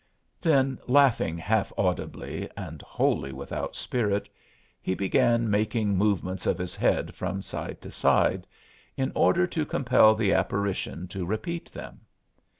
Then, laughing half audibly and wholly without spirit, he began making movements of his head from side to side, in order to compel the apparition to repeat them.